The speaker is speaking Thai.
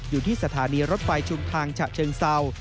อยู่ที่สถานีรถไฟชุมทางฉะเชิงเศร้า